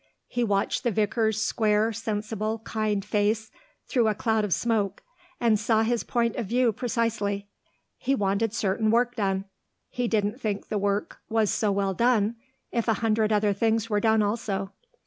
He watched the vicar's square, sensible, kind face, through a cloud of smoke, and saw his point of view precisely. He wanted certain work done. He didn't think the work was so well done if a hundred other things were done also.